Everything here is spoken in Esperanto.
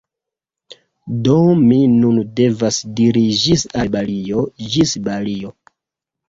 Do mi nun devas diri ĝis al Balio - Ĝis Balio!